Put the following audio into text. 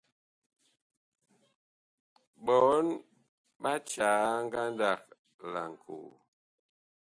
Ɓɔɔŋ ɓa caa ngandag laŋkoo.